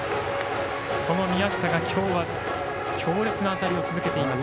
宮下が今日は強烈な当たりを続けています。